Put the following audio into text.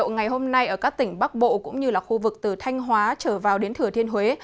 nhiệt độ ngày hôm nay ở các tỉnh bắc bộ cũng như khu vực từ thanh hóa trở vào đến thừa thiên huế